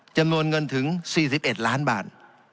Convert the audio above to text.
จำนวนเงินถึง๔๑ล้านบาท